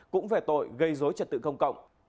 cũng về tội gây dối trật tự công cộng